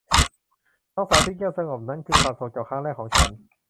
น้องสาวที่เงียบสงบนั่นคือความทรงจำครั้งแรกของฉัน